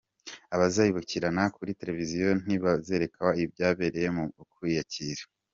Abazabikurikirana kuri televiziyo ntibazerekwa ibyabereye mu kwiyakira.